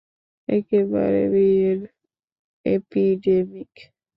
একেবারে বিয়ের এপিডেমিক!